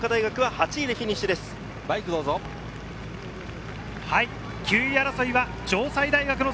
８位でフィニッシュ、創価大学です。